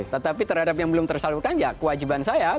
tetapi terhadap yang belum tersalurkan ya kewajiban saya